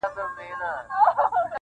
• مُلا بیا ویل زه خدای یمه ساتلی -